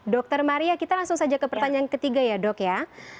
dr maria kita langsung saja ke pertanyaan ketiga ya dok ya